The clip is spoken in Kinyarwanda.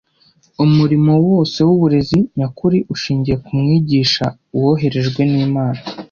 Umurimo wose w’uburezi nyakuri ushingiye ku Mwigisha woherejwe n’Imana